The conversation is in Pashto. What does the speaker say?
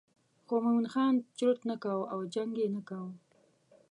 خو مومن خان چرت نه کاوه او جنګ یې نه کاوه.